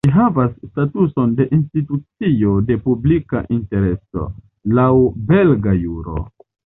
Ĝi havas la statuson de "Institucio de Publika Intereso", laŭ belga juro.